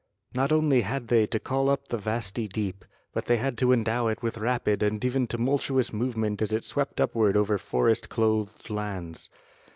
Not only had they to call up the vasty deep, but they had to endow it with rapid and even tumultuous movement as it swept upward over forest clothed lands.